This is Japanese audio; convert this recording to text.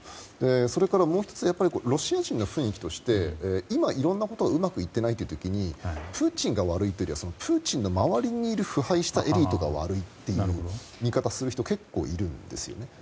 それから、もう１つロシア人の雰囲気として今、いろんなことがうまくいっていないという時にプーチンが悪いというよりはプーチンの周りにいる腐敗したエリートが悪いという見方をする人が結構いるんですよね。